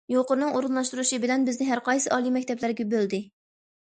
يۇقىرىنىڭ ئورۇنلاشتۇرۇشى بىلەن، بىزنى ھەرقايسى ئالىي مەكتەپلەرگە بۆلدى.